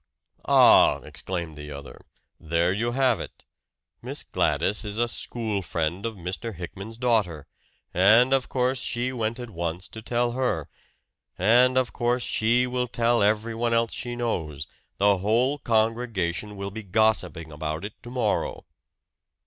"Ah!" exclaimed the other. "There you have it! Miss Gladys is a school friend of Mr. Hickman's daughter; and, of course, she went at once to tell her. And, of course, she will tell everyone else she knows the whole congregation will be gossiping about it to morrow!"